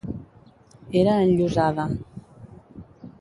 Era enllosada.